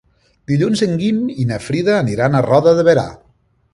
Dilluns en Guim i na Frida aniran a Roda de Berà.